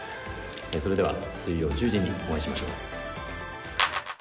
それでは、水曜１０時にお会いしましょう。